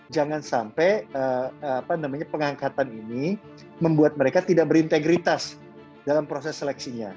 jangan sampai pengangkatan ini membuat mereka tidak berintegritas dalam proses seleksinya